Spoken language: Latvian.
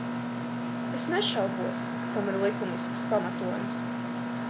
Es nešaubos, ka tam ir likumisks pamatojums.